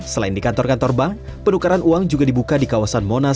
selain di kantor kantor bank penukaran uang juga dibuka di kawasan monas